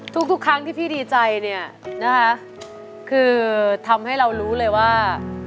ทุกครั้งที่พี่ดีใจเนี่ยนะคะคือทำให้เรารู้เลยว่า